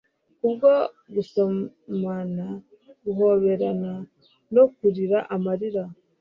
kubwo gusomana guhoberana no kurira amarira